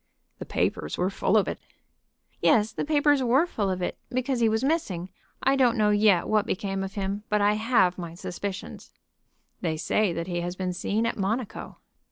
"The papers were full of it." "Yes, the papers were full of it, because he was missing. I don't know yet what became of him, but I have my suspicions." "They say that he has been seen at Monaco."